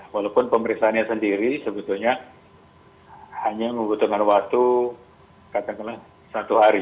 walaupun pemeriksaannya sendiri sebetulnya hanya membutuhkan waktu katakanlah satu hari